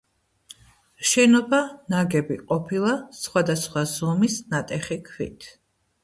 შენობა ნაგები ყოფილა სხვადასხვა ზომის ნატეხი ქვით.